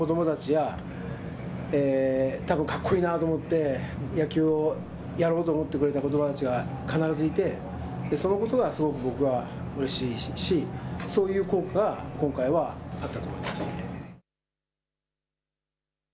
そういうことと、それを見ていた日本中の子どもたちやかっこいいなと思って、野球をやろうと思ってくれた子どもたちが必ずいて、すごくそのことがうれしいしそういう効果が今回はあったと思います。